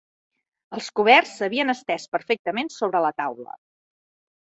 Els coberts s'havien estès perfectament sobre la taula.